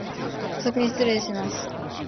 おさきにしつれいします